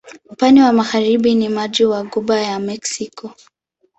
Upande wa magharibi ni maji wa Ghuba ya Meksiko.